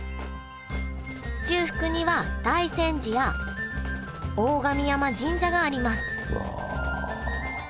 中腹には大山寺や大神山神社がありますうわ！